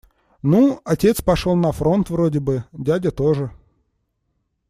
Ну, отец пошёл на фронт вроде бы, дядя тоже.